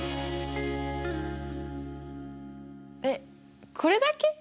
えっこれだけ？